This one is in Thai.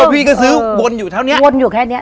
เอ่อพี่ก็ซื้อวนอยู่แถวนี้